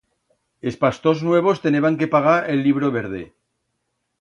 Es pastors nuevos teneban que pagar el libro verde.